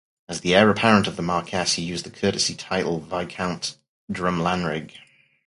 As the heir apparent of the Marquess, he used the courtesy title Viscount Drumlanrig.